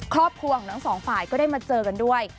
ครอบครัวของทั้งสองฝ่ายก็ได้มาเจอกันด้วย